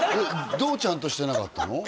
どうちゃんとしてなかったの？